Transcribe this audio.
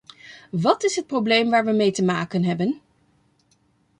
Wat is het probleem waar we mee te maken hebben?